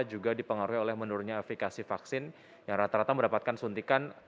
juga dipengaruhi oleh menurunnya aplikasi vaksin yang rata rata mendapatkan suntikan